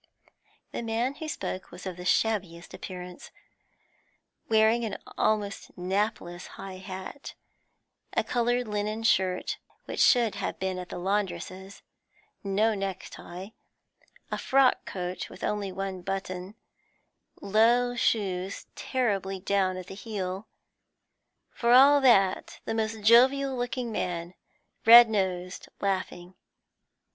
The man who spoke was of the shabbiest appearance, wearing an almost napless high hat, a coloured linen shirt which should have been at the laundress's, no neck tie, a frock coat with only one button, low shoes terribly down at heel; for all that, the most jovial looking man, red nosed, laughing.